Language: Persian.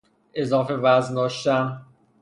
اضافه وزن داشتن